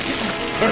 えっ。